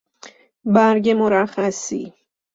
برگ مرخصی